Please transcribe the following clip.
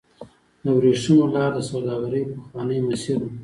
د ورېښمو لار د سوداګرۍ پخوانی مسیر و.